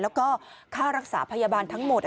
แล้วก็ค่ารักษาพยาบาลทั้งหมด